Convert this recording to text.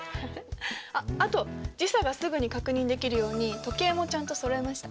あっあと時差がすぐに確認できるように時計もちゃんとそろえました。